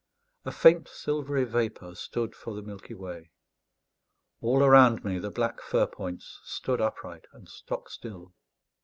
A faint silvery vapour stood for the Milky Way. All around me the black fir points stood upright and stock still.